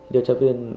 điều tra viên